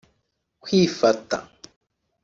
Kwifata